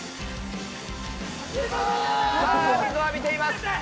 水を浴びています。